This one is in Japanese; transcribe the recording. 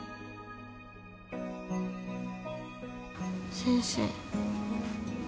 先生。